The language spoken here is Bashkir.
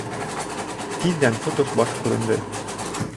Тиҙҙән тотош баш күренде;